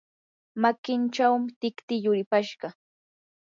makinchaw tiktim yuripashqa.